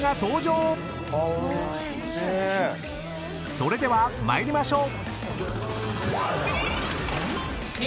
［それでは参りましょう］